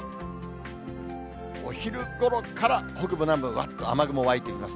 お昼ごろから、北部、南部、雨雲湧いてきます。